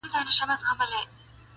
که واړه دي که لویان پر تا سپرېږي -